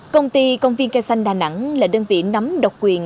công ty công viên cây xanh đà nẵng là đơn vị nắm độc quyền